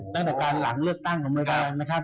ตั้งแต่การหลังเลือกตั้งของรายการนะครับ